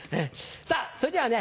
さぁそれではね